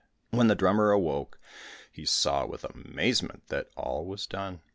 When the drummer awoke, he saw with amazement that all was done.